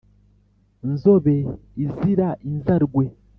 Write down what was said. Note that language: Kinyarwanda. Nzobe izira inzarwe